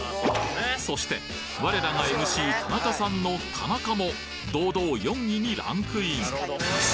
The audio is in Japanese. そして我らがＭＣ田中さんの「田中」も堂々４位にランクイン！